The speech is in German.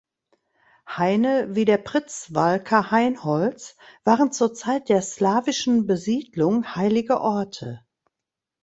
Haine wie der Pritzwalker Hainholz waren zur Zeit der slawischen Besiedlung heilige Orte.